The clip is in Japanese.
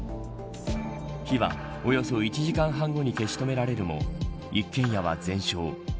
火は、およそ１時間半後に消し止められるも一軒家は全焼。